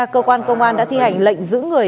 cơ quan công an đã thi hành lệnh giữ người